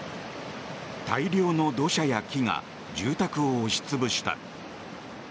大量の土砂や木が住宅を押し潰した。